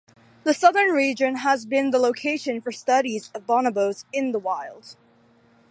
The southern region has been the location for studies of bonobos in the wild.